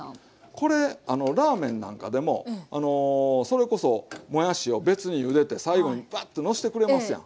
これラーメンなんかでもそれこそもやしを別にゆでて最後にバッとのしてくれますやん。